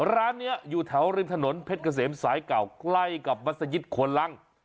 ร้านนี้อยู่แถวริมถนนเพชรเกษมสายเก่าใกล้กับมัศยิตโคนลัง